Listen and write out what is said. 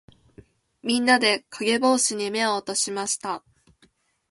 みんなで、かげぼうしに目を落としました。